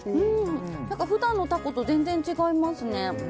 普段のタコと全然違いますね。